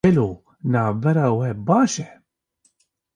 Gelo navbera we baş e?